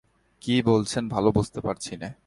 কী বলছেন ভালো বুঝতে পারছি নে।